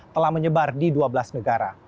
telah menyebar di dua belas negara